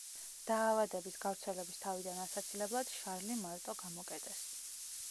დაავადების გავრცელების თავიდან ასაცილებლად შარლი მარტო გამოკეტეს.